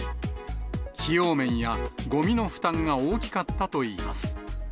費用面やごみの負担が大きかったといいます。